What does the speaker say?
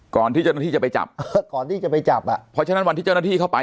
ที่เจ้าหน้าที่จะไปจับก่อนที่จะไปจับอ่ะเพราะฉะนั้นวันที่เจ้าหน้าที่เข้าไป